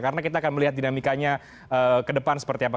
karena kita akan melihat dinamikanya ke depan seperti apa